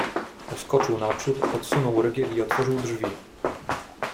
"Poskoczył naprzód, odsunął rygiel i otworzył drzwi."